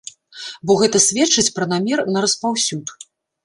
Бо гэта сведчыць пра намер на распаўсюд.